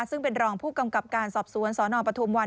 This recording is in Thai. ซึ่งเป็นรองผู้กำกับการสอบสวนสนปฐุมวัน